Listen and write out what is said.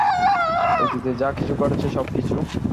অতীতে যা কিছু ঘটেছে সবকিছু।